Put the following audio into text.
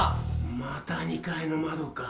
また２階の窓か。